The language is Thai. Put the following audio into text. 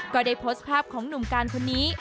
ก็ได้โพสต์ภาพของหนุ่มการคนนี้